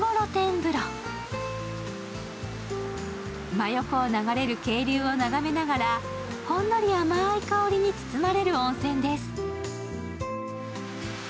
真横を流れる渓流を眺めながら、ほんのり甘い香りに包まれる温泉です。